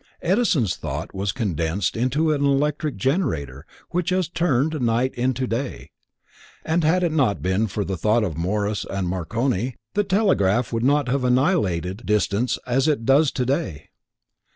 Edison's thought was condensed into an electric generator which has turned night to day, and had it not been for the thought of Morse and Marconi, the telegraph would not have annihilated distance as it does today.